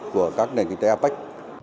của các nền kinh tế apec